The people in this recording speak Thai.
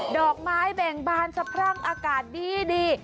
ดอกไม้เบ่งบานสะพรั่งอากาศดี